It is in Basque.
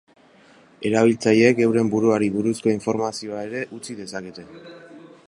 Erabiltzaileek euren buruari buruzko informazioa ere utzi dezakete.